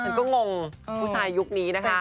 ฉันก็งงผู้ชายยุคนี้นะคะ